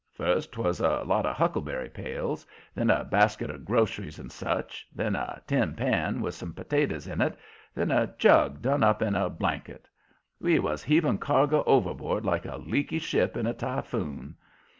First 'twas a lot of huckleberry pails, then a basket of groceries and such, then a tin pan with some potatoes in it, then a jug done up in a blanket. We was heaving cargo overboard like a leaky ship in a typhoon.